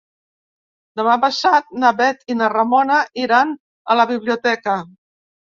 Demà passat na Bet i na Ramona iran a la biblioteca.